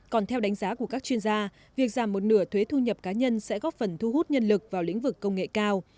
còn theo đánh giá của các chuyên gia việc giảm một nửa thuế thu nhập cá nhân sẽ góp phần thu hút nhân lực vào lĩnh vực công nghệ cao